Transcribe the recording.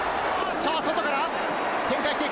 さぁ外から展開していく！